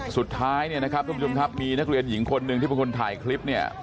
สุดท้ายเนี่ยนะครับทุกผู้ชมครับมีนักเรียนหญิงคนหนึ่งที่เป็นคนถ่ายคลิปเนี่ย